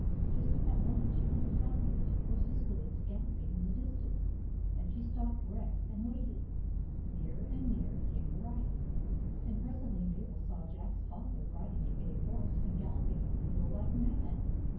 Just at that moment she heard the sounds of a horse's hoofs galloping in the distance ; and she stopped Rex and waited. Nearer and nearer came the rider, and presently Mabel saw Jack's Father riding a bay horse and galloping up the hill like mad.